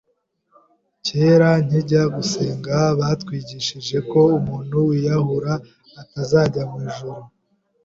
kera nkijya gusenga batwigishije ko umuntu wiyahura atazajya mu ijuru,